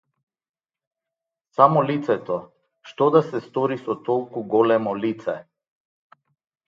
Само лицето, што да се стори со толку големо лице?